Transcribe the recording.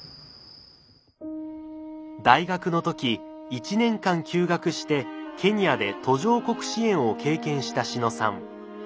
大学の時１年間休学してケニアで途上国支援を経験した志野さん。